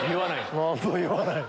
何も言わない！